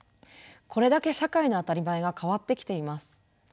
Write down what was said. これだけ社会の当たり前が変わってきています。